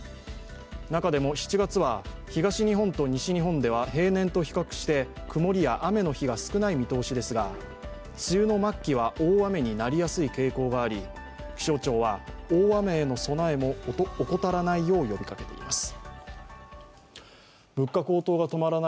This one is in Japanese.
中でも７月は、東日本と西日本では平年と比較して曇りや雨の日が少ない見通しですが、梅雨の末期は大雨になりやすい傾向があり気象庁は大雨への備えも怠らないよう呼びかけています。